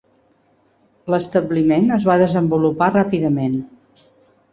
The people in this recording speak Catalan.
L'establiment es va desenvolupar ràpidament.